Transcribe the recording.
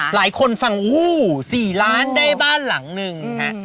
หลายคนฟังอู้๔ล้านได้บ้านหลังหนึ่งฮะ